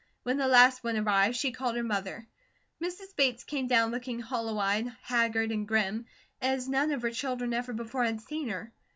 When the last one arrived, she called her mother. Mrs. Bates came down looking hollow eyed, haggard, and grim, as none of her children ever before had seen her.